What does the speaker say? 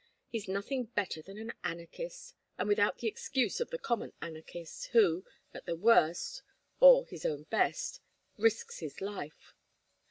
He's nothing better than an anarchist, and without the excuse of the common anarchist who, at the worst or his own best risks his life.